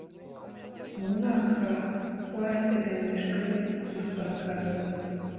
Mu mwaka wa hateganyijwe gusakaza